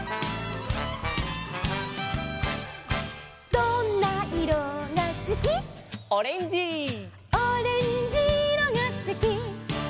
「どんないろがすき」「」「オレンジいろがすき」